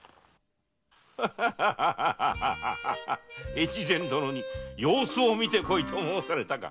越前殿に「様子を見てこい」と申されたか。